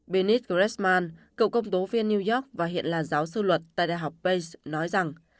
bennett gressman cựu công tố viên new york và hiện là giáo sư luật tại đại học bates nói rằng